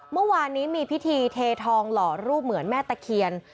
เมื่อวานนี้มีพิธีเททองหล่อรูปเหมือนแม่ตะเคียน